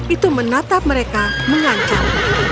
itu menatap mereka mengancam